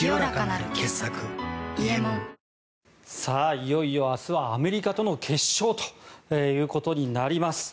いよいよ明日はアメリカとの決勝ということになります。